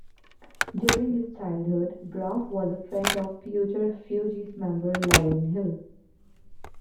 During his childhood, Braff was a friend of future Fugees member Lauryn Hill.